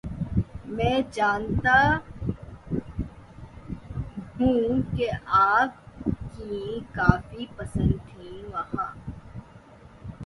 میں جانتا ہیںں کہ آپ کیں کافی پسند تھیں وہاں